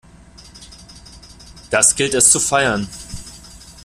Das gilt es zu feiern!